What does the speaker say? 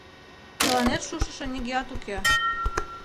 Тыланет шушыжо нигӧат уке.